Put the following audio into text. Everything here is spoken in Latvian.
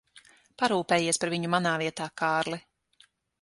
Parūpējies par viņu manā vietā, Kārli.